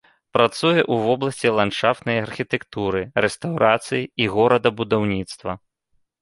Працуе ў вобласці ландшафтнай архітэктуры, рэстаўрацыі і горадабудаўніцтва.